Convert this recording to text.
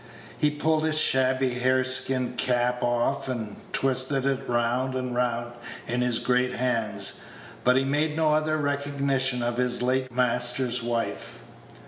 He pulled his shabby hare skin cap off, and twisted it round and round in his great hands, but he made no other recognition of his late master's wife.